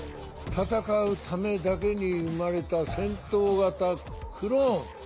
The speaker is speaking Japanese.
戦うためだけに生まれた戦闘型クローン。